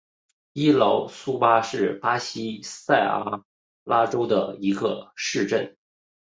伊劳苏巴是巴西塞阿拉州的一个市镇。